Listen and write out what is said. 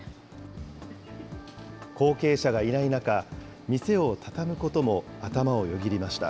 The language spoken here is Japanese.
後継者がいない中、店を畳むことも頭をよぎりました。